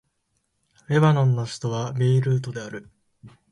レバノンの首都はベイルートである